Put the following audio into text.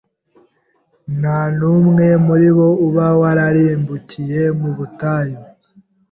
nta n’umwe muri bo uba wararimbukiye mu butayu.